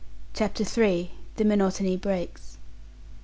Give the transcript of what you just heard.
CHAPTER III. THE MONOTONY BREAKS.